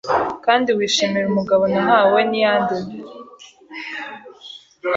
kandi wishimira umugabo nahawe n’Iyandemye,